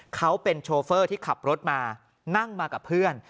เขาเป็นโชเฟอร์ที่ขับรถมานั่งมากับเพื่อน